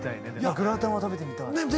グラタンは食べてみたい。